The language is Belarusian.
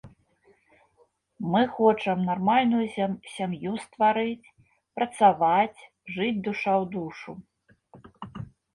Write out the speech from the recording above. Мы хочам нармальную сям'ю стварыць, працаваць, жыць душа ў душу.